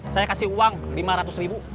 saya kasih uang lima ratus ribu